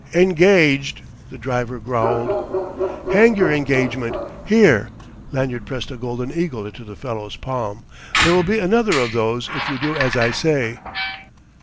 "Engaged," the driver growled. "Hang your engagement! Here" Lanyard pressed a golden eagle into the fellow's palm "there will be another of those if you do as I say!"